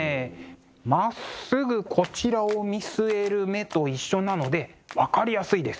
まっすぐこちらを見据える目と一緒なので分かりやすいです。